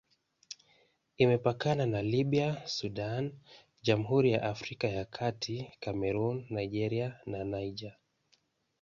Imepakana na Libya, Sudan, Jamhuri ya Afrika ya Kati, Kamerun, Nigeria na Niger.